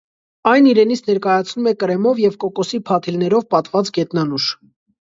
Այն իրենից ներկայացնում է կրեմով և կոկոսի փաթիլներով պատված գետնանուշ։